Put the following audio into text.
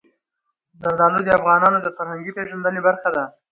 زردالو د افغانانو د فرهنګي پیژندنې برخه ده.